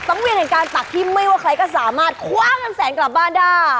ทั้งเวียนการตักที่ไม่ว่าใครก็สามารถคว้างสังแสงกลับบ้านได้